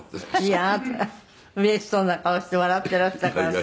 「いやあなたがうれしそうな顔して笑っていらしたからさ」